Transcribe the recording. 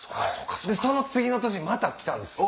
その次の年また来たんですよ。